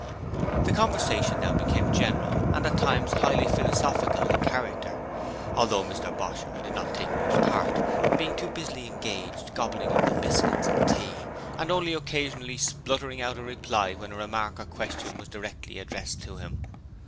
The conversation now became general and at times highly philosophical in character, although Mr Bosher did not take much part, being too busily engaged gobbling up the biscuits and tea, and only occasionally spluttering out a reply when a remark or question was directly addressed to him.